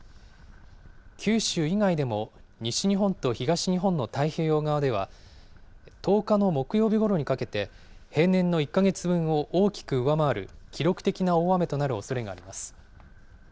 九州以外でも西日本と東日本の太平洋側では１０日の木曜日ごろにかけて、平年の１か月分を大きく上回る記録的な大雨となるおそれがあります。